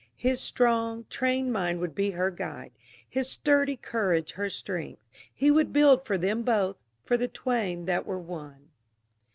His strong, trained mind would be her guide, his sturdy courage her strength. He would build for them both, for the twain that were one.